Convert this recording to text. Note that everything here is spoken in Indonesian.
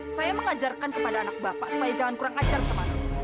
saya mengajarkan kepada anak bapak supaya jangan kurang ajar sama aku